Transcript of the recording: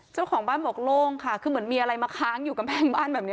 เจ้าของบ้านบอกโล่งค่ะคือเหมือนมีอะไรมาค้างอยู่กำแพงบ้านแบบนี้